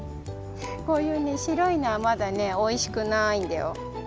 こういうねしろいのはまだねおいしくないんだよ。